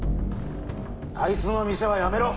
あいつの店は辞めろ！